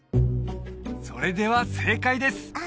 それでは正解です